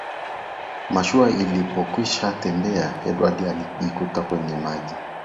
mashua ilipokwisha tembea edward akajitupa kwenye maji